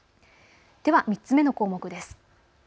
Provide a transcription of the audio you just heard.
では３つ目の項目です。